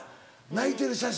泣いてる写真。